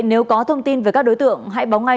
nếu có thông tin về các đối tượng hãy báo ngay